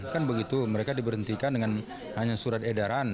kan begitu mereka diberhentikan dengan hanya surat edaran